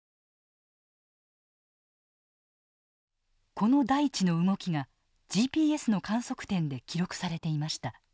この大地の動きがＧＰＳの観測点で記録されていました。